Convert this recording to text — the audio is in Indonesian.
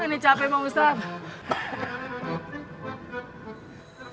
aneh capek bang ustaz